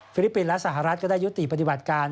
ลิปปินส์และสหรัฐก็ได้ยุติปฏิบัติการ